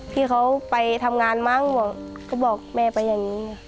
พี่เขาไปทำงานมั้งบอกก็บอกแม่ไปอย่างนี้